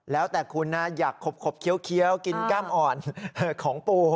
แล้วแต่คุณนะอยากขบเคี้ยวกินแก้มอ่อนของปู